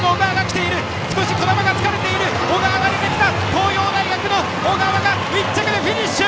東洋大学の小川が１着でフィニッシュ！